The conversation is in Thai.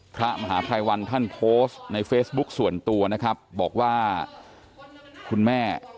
พระมหาภัยวันท่านโพสต์ในเฟซบุ๊คส่วนตัวนะครับบอกว่าคุณแม่